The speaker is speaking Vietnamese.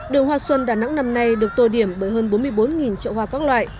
đường hoa xuân đà nẵng năm nay được tô điểm bởi hơn bốn mươi bốn trậu hoa các loại